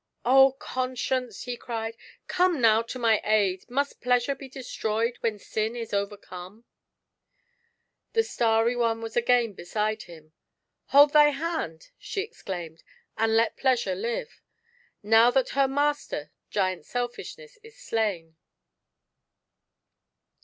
" O Conscience !" he cried, " come now to my aid. Must Pleasure be destroyed when sin is overcome ?" The starry one was again beside him. "Hold thy hand," she exclaimed, "and let Pleasure live, now that her master. Giant Selfishness, is slain.